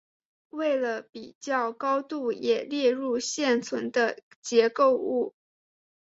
为了比较高度也列入现存的结构物。